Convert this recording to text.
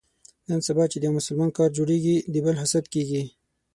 نن سبا چې د یو مسلمان کار جوړېږي، د بل حسدي کېږي.